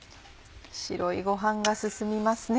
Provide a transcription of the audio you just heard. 白いご飯が進みますね。